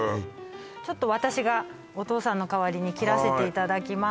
ちょっと私がお父さんの代わりに切らせていただきます